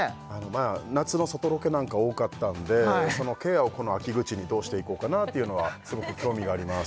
まあ夏の外ロケなんか多かったんでそのケアをこの秋口にどうしていこうかなっていうのはすごく興味があります